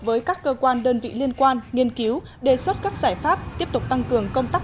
với các cơ quan đơn vị liên quan nghiên cứu đề xuất các giải pháp tiếp tục tăng cường công tác